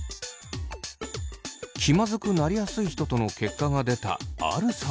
気まずくなりやすい人との結果が出たアルさんは。